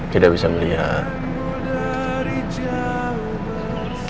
tidak bisa melihat